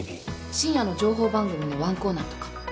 深夜の情報番組のワンコーナーとか。